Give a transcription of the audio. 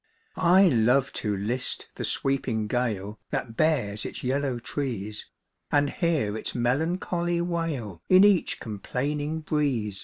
I love to list the sweeping gale That bares its yellow trees, And hear its melancholy wail In each complaining breeze.